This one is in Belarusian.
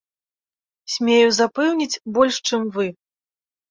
Смею запэўніць, больш, чым вы.